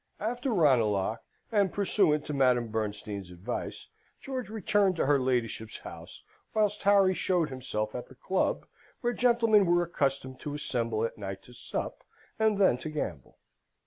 After Ranelagh, and pursuant to Madam Bernstein's advice, George returned to her ladyship's house, whilst Harry showed himself at the club, where gentlemen were accustomed to assemble at night to sup, and then to gamble.